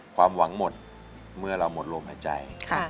ความหวังหมดเมื่อเราหมดลมหายใจ